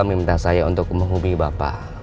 meminta saya untuk menghubungi bapak